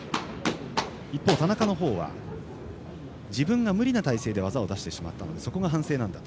一本、田中のほうは自分が無理な体勢で技を出してしまったのでそこが反省なんだと。